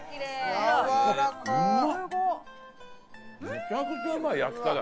めちゃくちゃうまい焼き加減。